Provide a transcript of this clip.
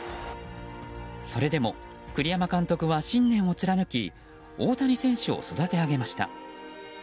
それでも栗山監督は信念を貫き大谷選手を育て上げました。